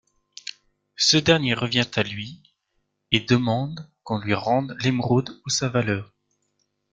Ce dernier revient à lui et demande qu'on lui rende l'émeraude ou sa valeur.